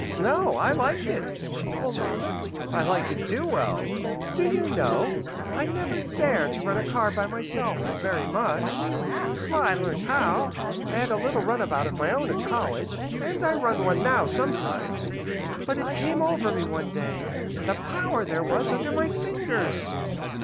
"No; I liked it," she answered. "I liked it too well. Do you know? I never dare to run a car by myself very much. I learned how, and had a little runabout of my own at college, and I run one now sometimes. But it came over me one day the power there was under my fingers.